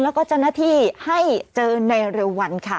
แล้วก็จะนัทีให้เจอในเร็ววันค่ะ